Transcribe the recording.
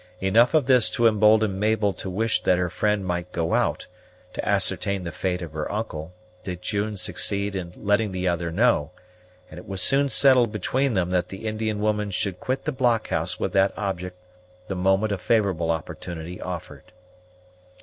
Enough of this to embolden Mabel to wish that her friend might go out, to ascertain the fate of her uncle, did June succeed in letting the other know; and it was soon settled between them that the Indian woman should quit the blockhouse with that object the moment a favorable opportunity offered.